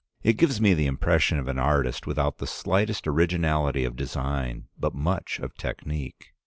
It gives me the impression of an artist without the slightest originality of design, but much of technique.